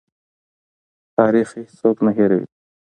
تاریخ هېڅوک نه هېروي.